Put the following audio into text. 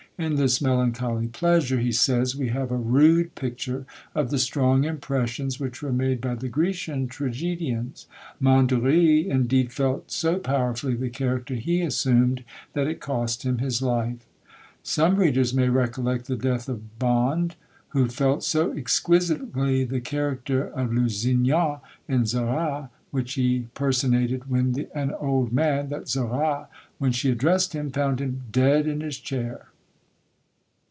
In this melancholy pleasure, he says, we have a rude picture of the strong impressions which were made by the Grecian tragedians. Mondory indeed felt so powerfully the character he assumed, that it cost him his life. Some readers may recollect the death of Bond, who felt so exquisitely the character of Lusignan in Zara, which he personated when an old man, that Zara, when she addressed him, found him dead in his chair.